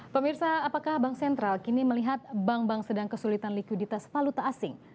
pemirsa apakah bank sentral kini melihat bank bank sedang kesulitan likuiditas paluta asing